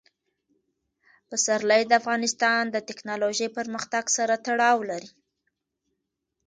پسرلی د افغانستان د تکنالوژۍ پرمختګ سره تړاو لري.